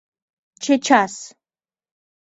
— Чечас!..